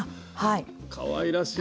かわいらしい。